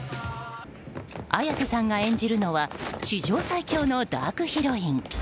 綾瀬さんが演じるのは史上最強のダークヒロイン。